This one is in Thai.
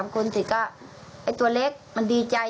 ๓คนเสร็จก็ไอ้ตัวเล็กมันดีใจ